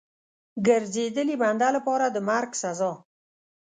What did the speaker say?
ګرځېدلي بنده لپاره د مرګ سزا.